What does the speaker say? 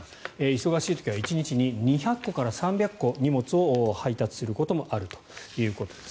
忙しい時は１日に２００個から３００個荷物を配達することもあるということです。